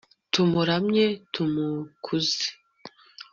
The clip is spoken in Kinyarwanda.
tumuramye, tumukuze